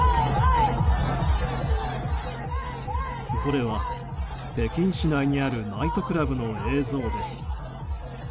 これは北京市内にあるナイトクラブの映像です。